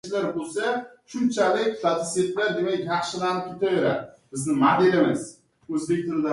Ari zahrin chekmagan, bol qadrini bilmas.